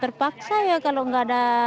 terpaksa ya kalau nggak ada